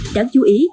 đáng chú ý